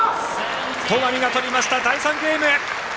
戸上が取りました第３ゲーム！